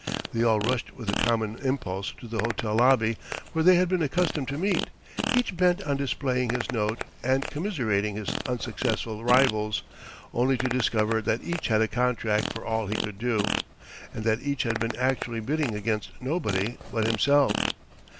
They all rushed with a common impulse to the hotel lobby where they had been accustomed to meet, each bent on displaying his note and commiserating his unsuccessful rivals, only to discover that each had a contract for all he could do, and that each had been actually bidding against nobody but himself.